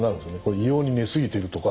異様に寝過ぎてるとか。